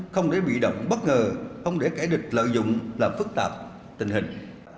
không để bị động bất ngờ không để kẻ địch lợi dụng làm phức tạp tình hình